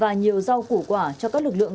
và nhiều rau củ quả cho các lực lượng